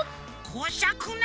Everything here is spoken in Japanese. こしゃくな。